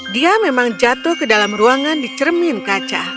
dia memang jatuh ke dalam ruangan di cermin kaca